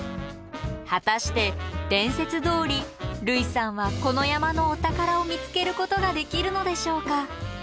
果たして伝説どおり類さんはこの山のお宝を見つけることができるのでしょうか？